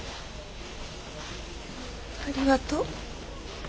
ありがとう。